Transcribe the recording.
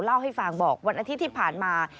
เล่าให้ฟังบอกวันอาทิตย์ที่ผ่านมา